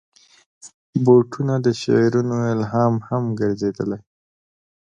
بوټونه د شعرونو الهام هم ګرځېدلي.